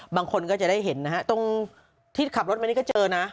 บางคนก็จะได้เห็นนะฮะตรงที่ขับรถมานี่ก็เจอนะ